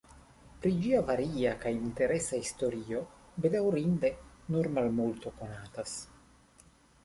Pri ĝia varia kaj interesa historio bedaŭrinde nur malmulto konatas.